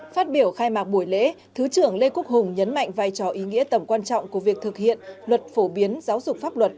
phát biểu khai mạc buổi lễ thứ trưởng lê quốc hùng nhấn mạnh vai trò ý nghĩa tầm quan trọng của việc thực hiện luật phổ biến giáo dục pháp luật